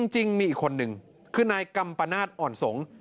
จริงมีอีกคนนึงคือนายกัมปนาศอ่อนสงฆ์